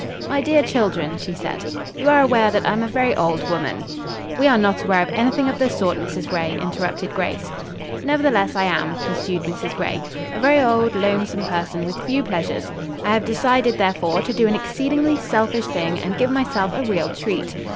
"My dear children," she said, "you are aware that I am a very old woman." "We are not aware of anything of the sort, Mrs. Gray," interrupted Grace. "Nevertheless I am," pursued Mrs. Gray. "A very old, lonesome person with few pleasures. I have decided, therefore, to do an exceedingly selfish thing, and give myself a real treat."